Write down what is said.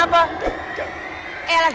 eh alah alah waduh